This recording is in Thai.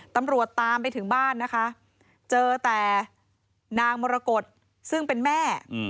ตามไปถึงบ้านนะคะเจอแต่นางมรกฏซึ่งเป็นแม่